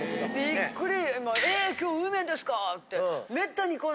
びっくり！